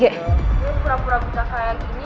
ini pura pura buka kaya gini